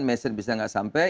mesej bisa enggak sampai